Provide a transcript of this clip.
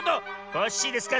コッシーですか？